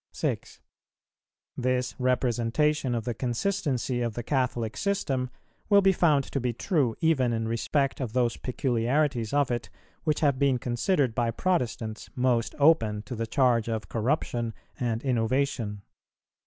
6. This representation of the consistency of the Catholic system will be found to be true, even in respect of those peculiarities of it, which have been considered by Protestants most open to the charge of corruption and innovation.